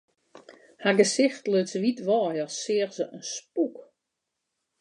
Har gesicht luts wyt wei, as seach se in spûk.